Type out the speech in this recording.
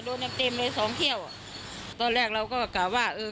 โดนเต็มเต็มเลยสองเที่ยวตอนแรกเราก็กล่าวว่าเออ